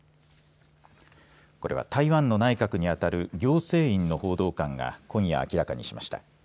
これは台湾の内閣にあたる行政院の報道官が今夜、明らかにしました。